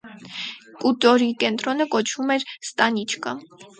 Խուտորի կենտրոնը կոչվում էր «ստանիչկա»։